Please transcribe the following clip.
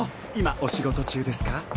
今お仕事中ですか？